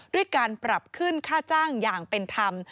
ด้วยการปรับขึ้นค่าจ้างอย่างเป็นธรรม